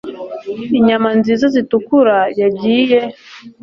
inyama nziza zitukura yagiye